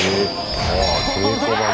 ああ稽古場も。